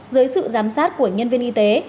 dưới sự giám sát của nhân viên y tế